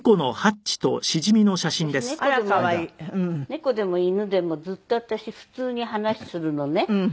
猫でも犬でもずっと私普通に話するのね。